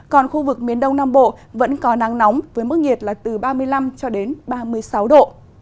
còn khu vực miền đông nam bộ vẫn có nắng nóng với mức nhiệt từ ba mươi năm ba mươi sáu độ